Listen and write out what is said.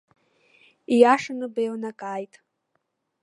Ииашаны беилнакааит.